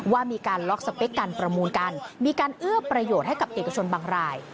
ว่ามีการล็อกสเปคการประมูลกันมีการเอื้อประโยชน์ให้กับเอกชนบางราย